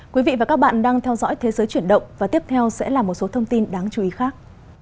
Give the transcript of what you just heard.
quý vị và các bạn đang theo dõi thế giới chuyển động và tiếp theo sẽ là một số thông tin đáng chú ý khác